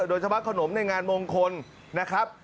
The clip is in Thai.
โดยเฉพาะขนมในงานมงคลนะครับ